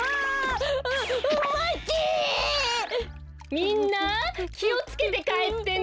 みんなきをつけてかえってね。